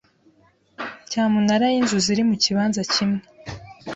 Cyamunara y’inzu ziri mu kibanza kimwe